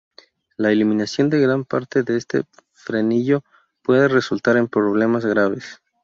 La eliminación de gran parte de este frenillo puede resultar en problemas graves.